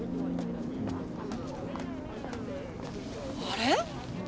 あれ？